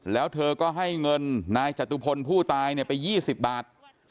แล้วเธอก็ให้เงินนายจตุพลผู้ตายไป๒๐บาท